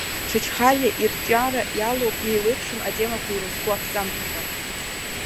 Чачхалиа ирҿиара иалоуп еиуеиԥшым атемақәа ирызку аԥҵамҭақәа.